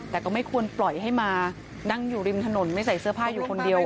แต่ก็ไม่ควรปล่อยให้มานั่งอยู่ริมถนนไม่ใส่เสื้อผ้าอยู่คนเดียว